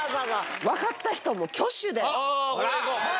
分かった人挙手で。